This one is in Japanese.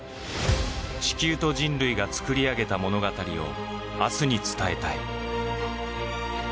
地球と人類が作り上げた物語を明日に伝えたい。